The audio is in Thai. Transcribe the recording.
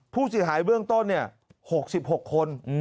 ผู้เสียหายเบื้องต้น๖๖คน